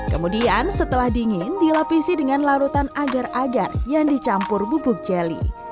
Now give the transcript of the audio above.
kemudian setelah dingin dilapisi dengan larutan agar agar yang dicampur bubuk jelly